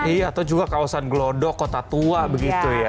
iya atau juga kawasan gelodok kota tua begitu ya